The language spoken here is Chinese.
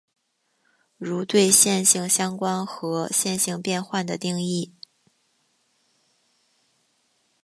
如对线性相关和线性变换的定义。